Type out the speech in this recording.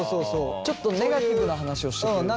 ちょっとネガティブな話をしてくれる人？